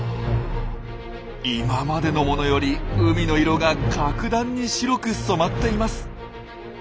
今までのものより海の色が格段に白く染まっています。